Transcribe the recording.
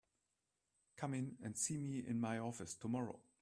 Come in and see me in my office tomorrow.